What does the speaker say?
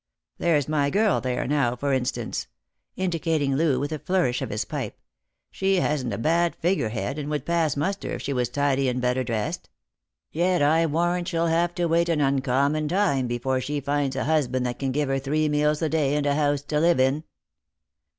There's my girl there now, for instance," indicating Loo with a flourish of his pipe ;" she hasn't a bad figure head, and would pass muster if she was tidy and better dressed. Yet I warrant she'll have to wait an uncommon time before she finds a husband that can give her three meals a day and a house to live in."